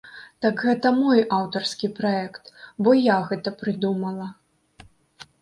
Так гэта мой аўтарскі праект, бо я гэта прыдумала.